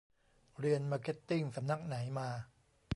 เรียนมาร์เก็ตติ้งสำนักไหนมา